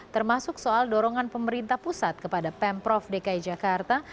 termasuk soal dorongan pemerintah pusat kepada pemprov dki jakarta